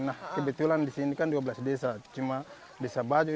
nah kebetulan di sini kan dua belas desa cuma desa baju